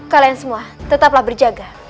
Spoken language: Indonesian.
kalian semua tetaplah berjaga